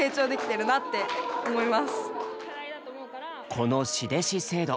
この「師弟子制度」。